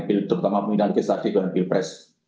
pintu pertama pemilu nangkis artigo dan pilpres